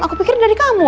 aku pikir dari kamu